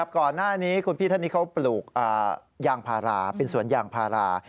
ก่อนหน้านี้คุณพี่ท่านนี้เขาปลูกยางพาราเป็นสวนยางพารา